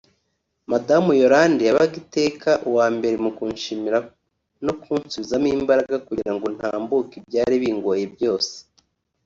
Madamu Yolande yabaga iteka uwa mbere mu kunshimira no kunsubizamo imbaraga kugira ngo ntambuke ibyari bingoye byose